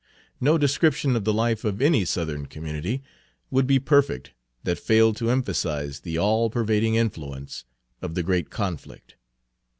No description of the life of any Southern community would be perfect that failed to emphasize the all pervading influence of the great conflict.